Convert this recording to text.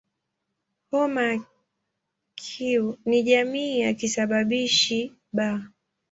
Homa ya Q ni jamii ya kisababishi "B".